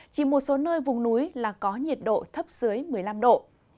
chỉ một số nơi vùng núi là có nhiệt độ thấp dưới một mươi năm độ